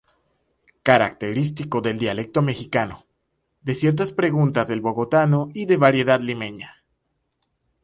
Característico del dialecto mexicano, de ciertas preguntas del bogotano y de la variedad limeña.